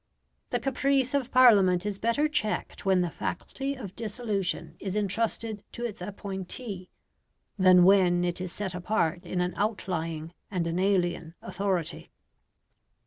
The caprice of Parliament is better checked when the faculty of dissolution is entrusted to its appointee, than when it is set apart in an outlying and an alien authority.